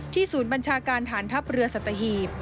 ศูนย์บัญชาการฐานทัพเรือสัตหีบ